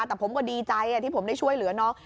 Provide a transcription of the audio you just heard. แต่ผมก็ดีใจที่ผมได้ช่วยเหลือน้อง